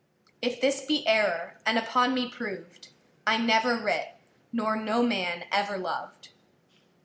If this be error and upon me provâd, I never writ, nor no man ever lovâd.